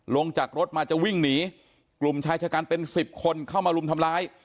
ลงจากรถมาจะวิ่งหนีกลุ่มชายชะกันเป็นสิบคนเข้ามารุมทำร้าย